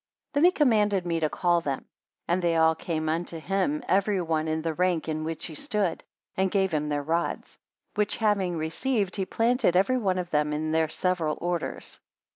19 Then he commanded me to call them; and they all came unto him, every one in the rank in which he stood, and gave him their rods; which having received he planted every one of them in their several orders.